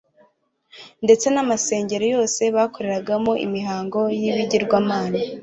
ndetse n'amasengero yose bakoreragamo imihango y'ibigirwamana